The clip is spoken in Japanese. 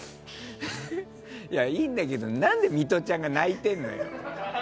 いいんだけど何でミトちゃんが泣いてるの。